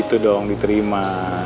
itu dong diterima